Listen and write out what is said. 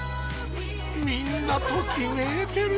みんなときめいてる！